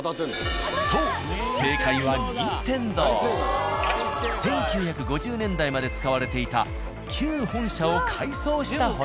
そう１９５０年代まで使われていた旧本社を改装したホテル。